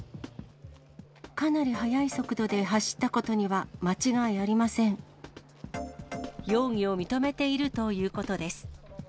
かなり速い速度で走ったこと容疑を認めているということです。